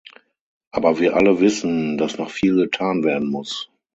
Aber wir alle wissen, dass noch viel getan werden muss.